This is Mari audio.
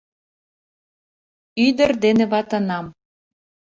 Ӱдыр дене ватынам